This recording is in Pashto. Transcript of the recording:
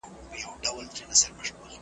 زاړه اثار تاریخي ارزښت لري.